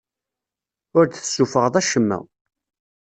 Ur d-tessuffɣeḍ acemma.